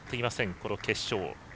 この決勝。